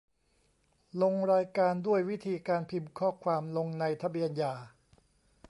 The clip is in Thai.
ลงรายการด้วยวิธีการพิมพ์ข้อความลงในทะเบียนหย่า